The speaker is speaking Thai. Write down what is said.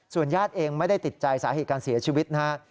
ญาติเองไม่ได้ติดใจสาเหตุการเสียชีวิตนะฮะ